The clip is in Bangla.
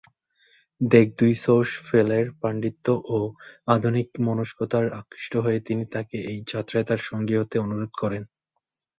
দ্গে-'দুন-ছোস-ফেলের পাণ্ডিত্য ও আধুনিকমনস্কতায় আকৃষ্ট হয়ে তিনি তাকে এই যাত্রায় তার সঙ্গী হতে অনুরোধ করেন।